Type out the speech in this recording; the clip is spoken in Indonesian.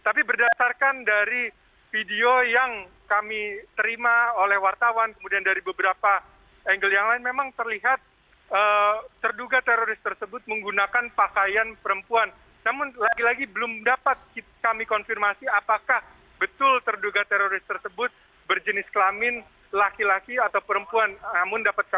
memang berdasarkan video yang kami terima oleh pihak wartawan tadi sebelum kami tiba di tempat kejadian ini memang ada seorang terduga teroris yang berhasil masuk ke dalam kompleks